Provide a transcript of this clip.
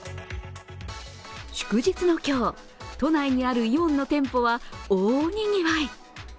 祝日の今日、都内にあるイオンの店舗は大賑わい。